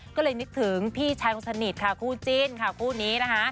ก็เลยนึกถึงพี่ชายคนสนิทค่ะคู่จิ้นค่ะคู่นี้นะคะ